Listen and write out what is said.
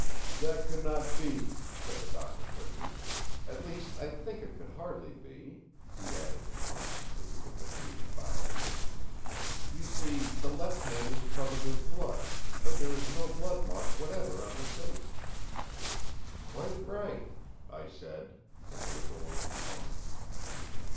"That could not be," said the Doctor quickly. "At least I think it could hardly be," he added cautiously, with a brief bow to me. "You see, the left hand is covered with blood; but there is no blood mark whatever on the safe." "Quite right!" I said, and there was a long pause.